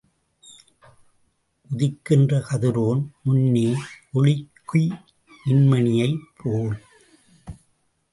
உதிக்கின்ற கதிரோன் முன்னே ஒளிக்குய் மின்மினியைப் போல்.